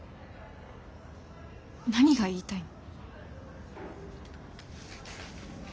何が言いたいの？